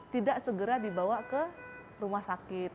tidak segera dibawa ke rumah sakit